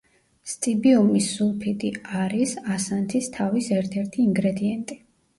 სტიბიუმის სულფიდი არის ასანთის თავის ერთ-ერთი ინგრედიენტი.